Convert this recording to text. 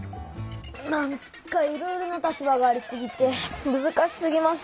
なんかいろいろな立場がありすぎてむずかしすぎます。